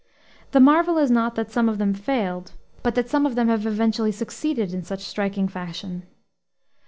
The marvel is not that some of them failed, but that some of them have eventually succeeded in such striking fashion.